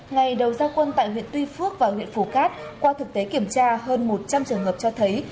ngày đầu gia quân tại huyện tuy phước và huyện phù cát qua thực tế kiểm tra hơn một trăm linh trường hợp cho thấy